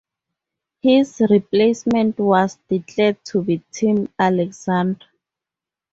His replacement was declared to be Tim Alexander.